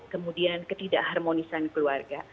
kemudian ketidakharmonisan keluarga